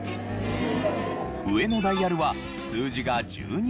上のダイヤルは数字が１２まで。